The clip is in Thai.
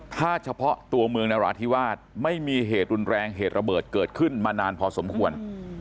ถ้าเฉพาะตัวเมืองนราธิวาสไม่มีเหตุรุนแรงเหตุระเบิดเกิดขึ้นมานานพอสมควร